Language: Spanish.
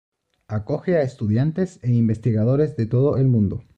Acoge a estudiantes e investigadores de todo el mundo.